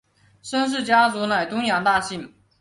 申氏家族乃东阳大姓。